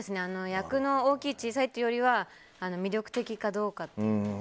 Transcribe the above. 役の大きい、小さいというよりは魅力的かどうかって。